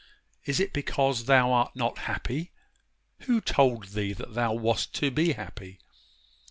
Is it because thou art not happy? Who told thee that thou wast to be happy?